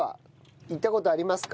行った事ありますか？